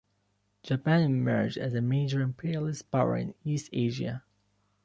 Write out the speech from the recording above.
Japan emerged as a major imperialist power in East Asia.